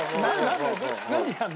何やるの？